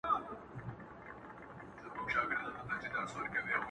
دا فريادي تا غواړي’داسي هاسي نه كــــيـــږي’